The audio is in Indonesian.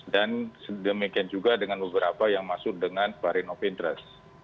dan sedemikian juga dengan beberapa yang masuk dengan varian of interest